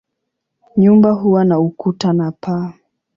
Nyumba huwa na ukuta na paa.